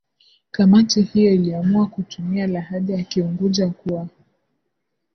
Kamati hiyo iliamua kutumia lahaja ya Kiunguja kuwa